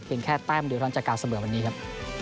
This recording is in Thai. เป็นแค่แป้มดิวท้อนจักรกาเสมอวันนี้ครับ